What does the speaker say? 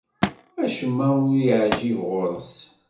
Acemma ur yeɛwiǧ ɣur-s.